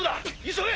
急げ！